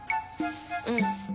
うん。